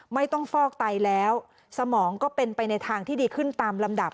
ไม่ต้องฟอกไตแล้วสมองก็เป็นไปในทางที่ดีขึ้นตามลำดับ